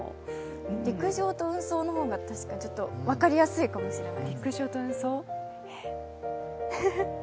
陸上と運送の方が分かりやすいかもしれない。